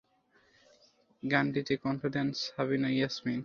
গানটিতে কণ্ঠ দেন সাবিনা ইয়াসমিন।